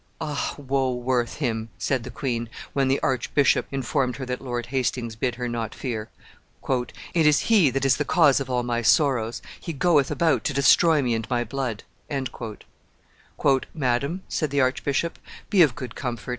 "Ah, woe worth him!" said the queen, when the archbishop informed her that Lord Hastings bid her not fear. "It is he that is the cause of all my sorrows; he goeth about to destroy me and my blood." "Madam," said the archbishop, "be of good comfort.